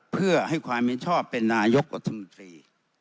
เพื่อให้ความมีชอบเป็นนายกกฎธมิตรี